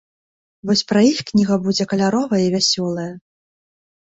Вось пра іх кніга будзе каляровая і вясёлая!